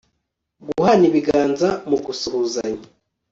Guhana ibiganza mu gusuhuzanya